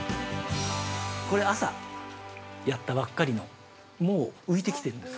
◆これ、朝やったばっかりのもう浮いてきてるんです。